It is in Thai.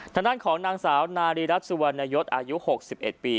ทางด้านของนางสาวนารีรัฐสุวรรณยศอายุ๖๑ปี